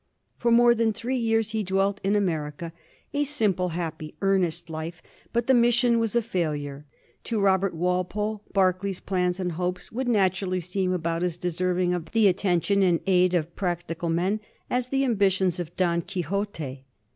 For more than three years he dwelt in Amer ica a simple, happy, earnest life. But the mission was a failure. To Robert Walpole, Berkeley's plans and hopes would naturally seem about as deserving of the attention and aid of practical men as the ambitions of Don Quixote.